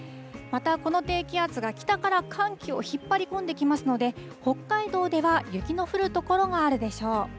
また、この低気圧が北から寒気を引っ張り込んできますので、北海道では雪の降る所があるでしょう。